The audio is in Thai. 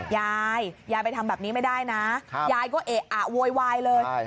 ยายยายไปทำแบบนี้ไม่ได้นะยายก็เอะอะโวยวายเลย